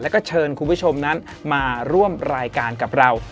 แล้วก็เชิญคุณผู้ชมนั้นมาร่วมรายการกับเรา